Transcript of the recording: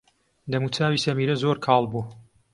دەموچاوی سەمیرە زۆر کاڵ بوو.